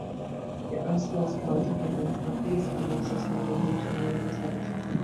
There are small-scale enterprises but these are not sustainable due to inadequate capital.